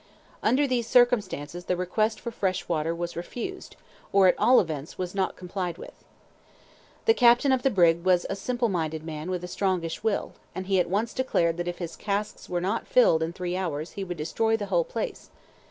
Under these circumstances the request for fresh water was refused, or at all events, was not complied with. The captain of the brig was a simple minded man with a strongish will, and he at once declared that if his casks were not filled in three hours, he would destroy the whole place.